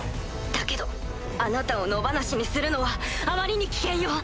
だけどあなたを野放しにするのはあまりに危険よ！